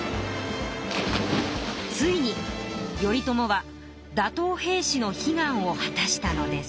ついに頼朝は打とう平氏の悲願を果たしたのです。